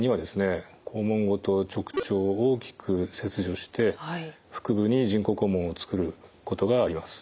肛門ごと直腸を大きく切除して腹部に人工肛門を作ることがあります。